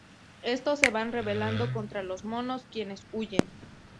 Estos se van revelando contra los monos, quienes huyen.